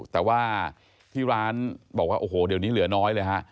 แต่ว่าที่ร้านบอกว่าโอ้โหเดี๋ยวนี้เหลือน้อยเลยฮะ